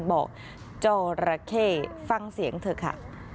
บอกจอระเข้ฟังเสียงเถอะค่ะ